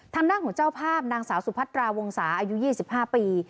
ทางด้านของเจ้าภาพนางสาวสุพัตราวงศาอายุ๒๕ปี